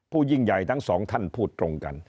ยิ่งใหญ่ทั้งสองท่านพูดตรงกัน